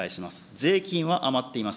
税金は余っています。